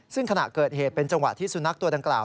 ซึ่งขณะเกิดเหตุเป็นจังหวะที่สุนัขตัวดังกล่าว